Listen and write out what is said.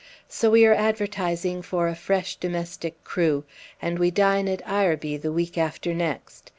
So we are advertising for a fresh domestic crew, and we dine at Ireby the week after next.